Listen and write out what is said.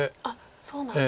そうなんですか。